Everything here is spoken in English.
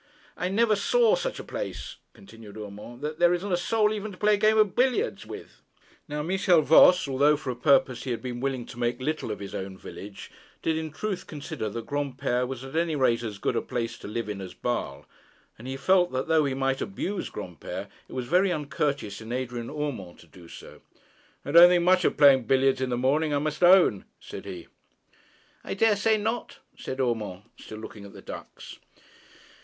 'I never saw such a place,' continued Urmand. 'There isn't a soul even to play a game of billiards with.' Now Michel Voss, although for a purpose he had been willing to make little of his own village, did in truth consider that Granpere was at any rate as good a place to live in as Basle. And he felt that though he might abuse Granpere, it was very uncourteous in Adrian Urmand to do so. 'I don't think much of playing billiards in the morning, I must own,' said he. 'I daresay not,' said Urmand, still looking at the ducks.